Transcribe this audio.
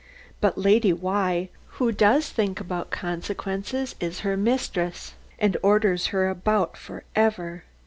But Lady Why, who does think about consequences, is her mistress, and orders her about for ever.